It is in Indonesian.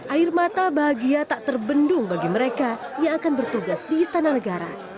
air mata bahagia tak terbendung bagi mereka yang akan bertugas di istana negara